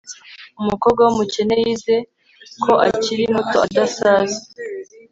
Umukobwa wumukene Yize ko akiri muto adasaza